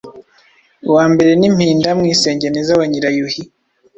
Uwambere ni Mpinda mwisengeneza wa Nyirayuhi